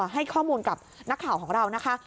ให้ข้อมูลกับนักข่าวของเรานะคะ